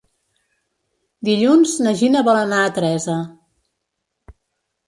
Dilluns na Gina vol anar a Teresa.